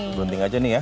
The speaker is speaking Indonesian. digunting aja nih ya